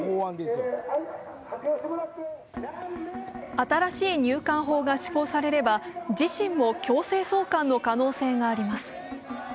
新しい入管法が施行されれば自身も強制送還の可能性があります。